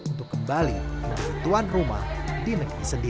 untuk kembali ke kebutuhan rumah di negeri sendiri